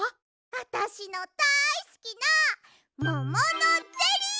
あたしのだいすきなもものゼリー！